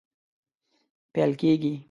پیل کیږي